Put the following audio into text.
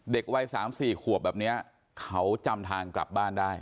วัย๓๔ขวบแบบนี้เขาจำทางกลับบ้านได้